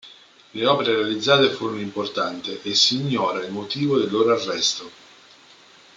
Le opere realizzate furono importante e si ignora il motivo del loro arresto.